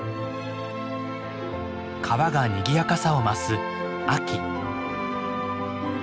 川がにぎやかさを増す秋。